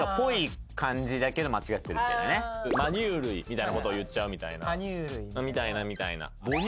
みたいなことを言っちゃうみたいな。みたいなみたいな。